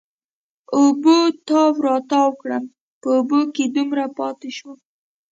اوبو تاو را تاو کړم، په اوبو کې دومره پاتې شوم.